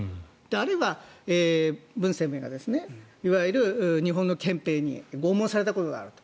あるいはブン・センメイがいわゆる日本の憲兵に拷問されたことがあると。